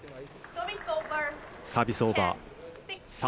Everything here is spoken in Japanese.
サービスオーバー。